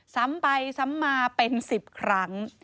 ซ้ำไปซ้ำมาเป็น๑๐ครั้ง